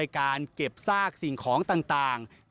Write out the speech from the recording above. การเก็บซากสิ่งของต่าง